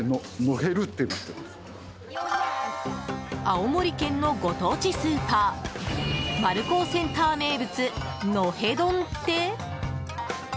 青森県のご当地スーパーマルコーセンター名物のへ丼って？